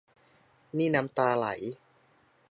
นี่น้ำตาไหล